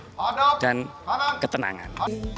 untuk postur dan ketenangan